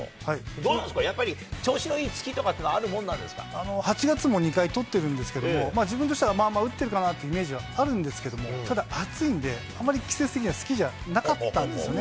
どうですか、やっぱり調子のいい８月も２回とってるんですけども、自分としてはまあまあ打ってるかなというイメージはあるんですけども、ただ、暑いんで、あまり季節的には好きじゃなかったんですよね。